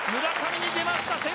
村上に出ました！